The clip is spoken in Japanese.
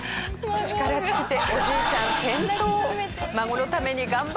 力尽きておじいちゃん転倒。